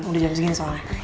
udah jam segini soalnya